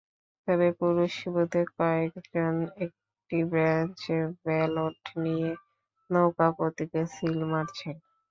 তবে পুরুষ বুথে কয়েকজন একটি বেঞ্চে ব্যালট নিয়ে নৌকা প্রতীকে সিল মারছেন।